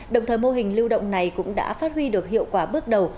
đồng thời mô hình lưu động này cũng đã phát huy được hiệu quả bước đầu